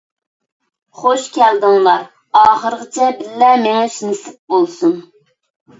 خۇش كەلدىڭلار، ئاخىرىغىچە بىللە مېڭىش نېسىپ بولسۇن.